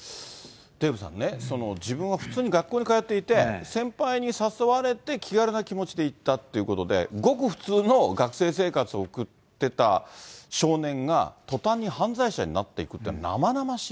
デーブさんね、自分は普通に学校に通っていて、先輩に誘われて気軽な気持ちでいったっていうことで、ごく普通の学生生活を送ってた少年が、とたんに犯罪者になっていくっていうのは、生々しい。